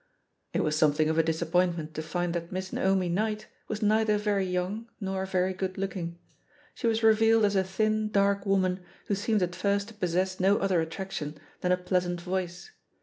It was something of a disappointment to find ihat Miss Naomi Knight was neither very young nor very good looking. She was revealed as a thin, dark woman who seemed at first to possess no other attraction than a pleasant voice.